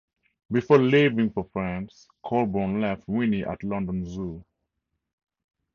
Before leaving for France, Colebourn left Winnie at London Zoo.